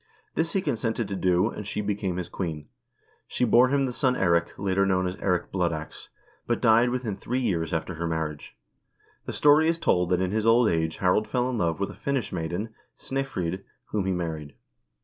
This he consented to do, and she became his queen. She bore him the son Eirik, later known as Eirik Blood Ax, but died within three years after her marriage. The story is told that in his old age Harald fell in love with a Finnish maiden, Snefrid, whom he married.